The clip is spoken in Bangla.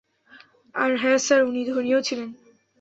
আর হ্যাঁ স্যার, উনি ধনীও ছিলেন।